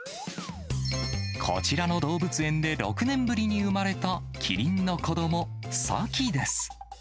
こちらの動物園で６年ぶりに生まれたキリンの子ども、サキです。